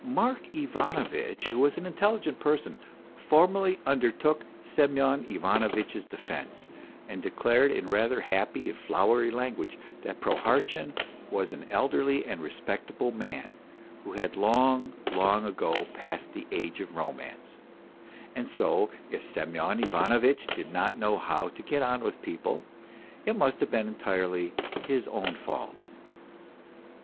Mark Ivanovitch, who was an intelligent person, formally undertook Semyon Ivanovitch's defence, and declared in rather happy and flowery language that Prohartchin was an elderly and respectable man, who had long, long ago passed the age of 20 MR. PROHARTCHIN romance. And so, if Semyon Ivanovitch did not know how to get on with people, it must have been entirely his own fault.